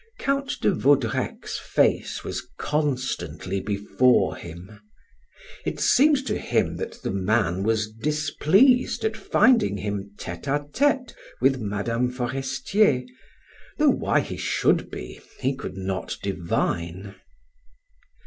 Count de Vaudrec's face was constantly before him. It seemed to him that the man was displeased at finding him tete a tete with Mme. Forestier, though why he should be, he could not divine.